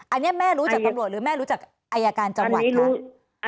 อันนี้แม่รู้จากตำรวจหรือแม่รู้จักอายการจังหวัดคะ